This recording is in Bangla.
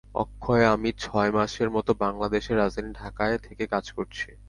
অক্ষয় আমি ছয় মাসের মতো বাংলাদেশের রাজধানী ঢাকায় থেকে কাজ করেছি।